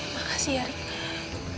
makasih ya rik